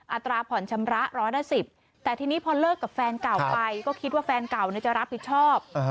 อัตราผ่อนชำระร้อยละ๑๐แต่ทีนี้พอเลิกกับแฟนเก่าไปก็คิดว่าแฟนเก่าจะรับผิดชอบ